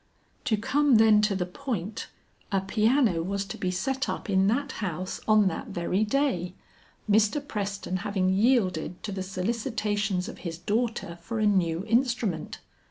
To come, then, to the point, a piano was to be set up in that house on that very day, Mr. Preston having yielded to the solicitations of his daughter for a new instrument.